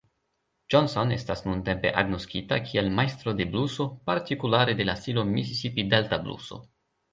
Johnson estas nuntempe agnoskita kiel majstro de bluso, partikulare de la stilo Misisipi-Delta bluso.